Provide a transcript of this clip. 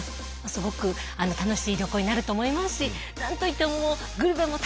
すごく楽しい旅行になると思いますし何といってもグルメもたくさんあります。